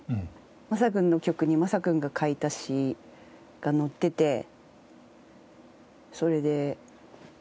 マサ君の曲にマサ君が書いた詩がのっててそれで。